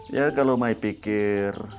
ya kalau may pikir